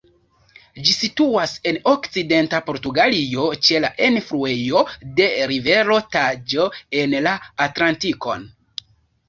Ĝi situas en okcidenta Portugalio ĉe la enfluejo de rivero Taĵo en la Atlantikon.